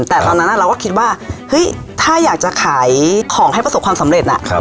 แต่ตอนนั้นเราก็คิดว่าเฮ้ยถ้าอยากจะขายของให้ประสบความสำเร็จ